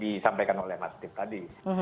disampaikan oleh mbak steve tadi